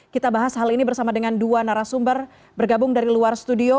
kita bahas hal ini bersama dengan dua narasumber bergabung dari luar studio